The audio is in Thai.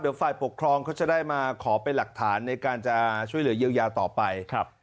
เดี๋ยวฝ่ายปกครองเขาจะได้มาขอเป็นหลักฐานในการจะช่วยเหลือเยียวยาต่อไป